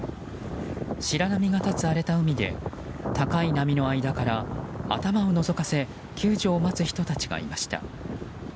白波が立つ荒れた海で高い波の間から頭をのぞかせ救助を待つ人たちがいました。